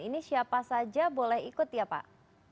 ini siapa saja boleh ikut ya pak